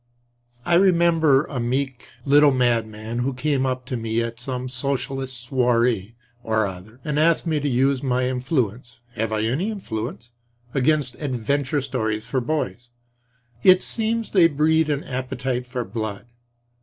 I remember a meek little madman who came up to me at some Socialist soiree or other, and asked me to use my influence (have I any influence?) against adventure stories for boys. It seems they breed an appetite for blood.